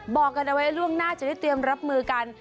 บอกกันเอาไว้ล่วงหน้าจะได้เตรียมรับมือกัน